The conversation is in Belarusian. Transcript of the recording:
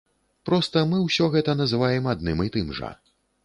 Проста мы ўсё гэта называем адным і тым жа.